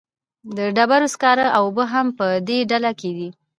د ډبرو سکاره او اوبه هم په دې ډله کې دي.